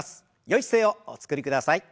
よい姿勢をおつくりください。